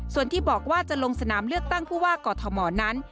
ส่วนที่บอกว่าจะลงสนามเลือกตั้งผู้ว่ากอทมนั้น